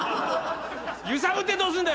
揺さぶってどうすんだよ！